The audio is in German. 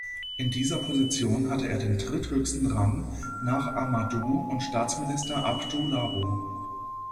In dieser Position hatte er den dritthöchsten Rang nach Amadou und Staatsminister Abdou Labo.